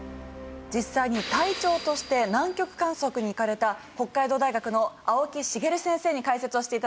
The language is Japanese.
実際に隊長として南極観測に行かれた北海道大学の青木茂先生に解説をして頂きます。